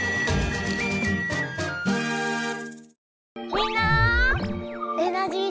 みんなエナジー